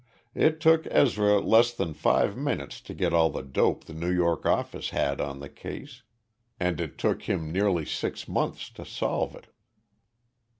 It took Ezra less than five minutes to get all the dope the New York office had on the case and it took him nearly six months to solve it.